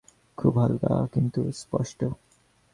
খুব হালকা, কিন্তু স্পষ্ট।